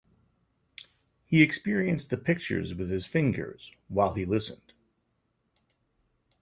He experienced the pictures with his fingers while he listened.